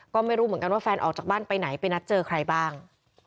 ก็ไม่รู้เหมือนกันว่าแฟนออกจากบ้านไปไหนไปนัดเจอใครบ้าง